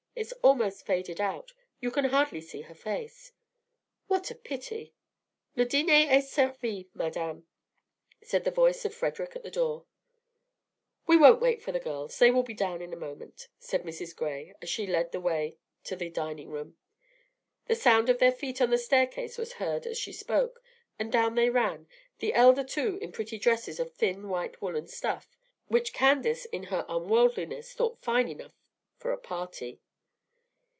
It's almost faded out; you can hardly see the face." "What a pity!" "Le dîner est servi, Madame," said the voice of Frederic at the door. "We won't wait for the girls. They will be down in a moment," said Mrs. Gray, as she led the way to the dining room. The sound of their feet on the staircase was heard as she spoke; and down they ran, the elder two in pretty dresses of thin white woollen stuff, which Candace in her unworldliness thought fine enough for a party.